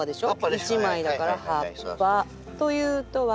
１枚だから葉っぱ。というとわき芽は。